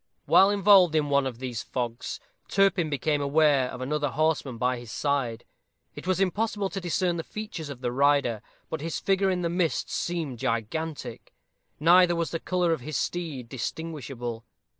While involved in one of these fogs, Turpin became aware of another horseman by his side. It was impossible to discern the features of the rider, but his figure in the mist seemed gigantic; neither was the color of his steed distinguishable.